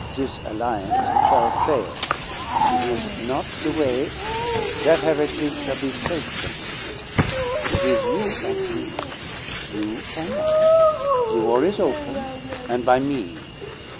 This alliance shall fail. It is not the way that heritage shall be safe' from him! It is you and me, monsieur! You can laugh! The war is open', and by me!